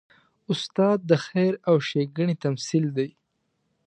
استاد د خیر او ښېګڼې تمثیل دی.